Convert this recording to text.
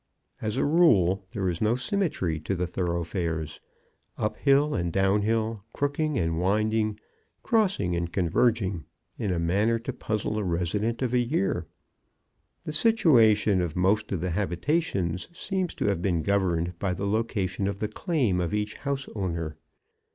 As a rule, there is no symmetry to the thoroughfares up hill and down hill, crooking and winding, crossing and converging, in a manner to puzzle a resident of a year. The situation of most of the habitations seems to have been governed by the location of the claim of each house owner.